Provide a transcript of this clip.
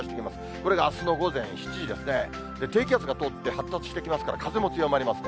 これがあすの午前７時ですね、低気圧が通って、発達してきますから、強まりますね。